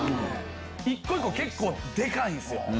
一個一個が結構でかいんすよ